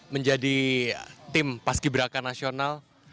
menjadi tim paski beraka nasional